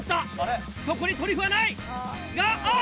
そこにトリュフはないがあっ！